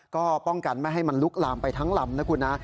ก็ป้องกันไม่ให้มันลุกลามไปทั้งลำนะคุณนะ